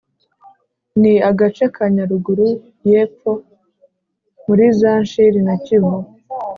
Ni agace ka Nyaruguru y’epfo muri za Nshili na Kivu